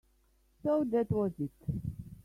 So that was it.